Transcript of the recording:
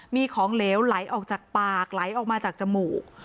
มีของเหลวไหลออกจากปากไหลออกมาจากจมูก